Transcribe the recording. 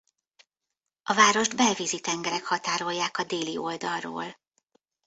A várost belvízi tengerek határolják a déli oldalról.